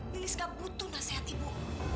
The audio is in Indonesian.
lilis nggak butuh nasihat ibu